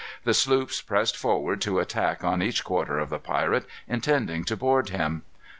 The sloops pressed forward to attack on each quarter of the pirate, intending to board him.